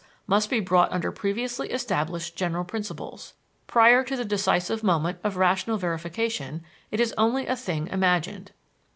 must be brought under previously established general principles: prior to the decisive moment of rational verification it is only a thing imagined.